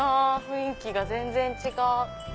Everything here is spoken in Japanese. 雰囲気が全然違う。